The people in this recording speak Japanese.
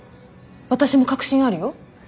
私も確信あるよ。